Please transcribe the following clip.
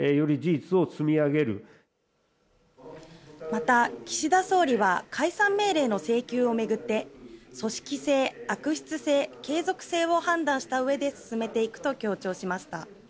また、岸田総理は解散命令の請求を巡って組織性、悪質性、継続性を判断したうえで進めていくと強調しました。